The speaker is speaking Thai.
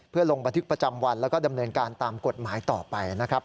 เพื่อลงบันทึกประจำวันแล้วก็ดำเนินการตามกฎหมายต่อไปนะครับ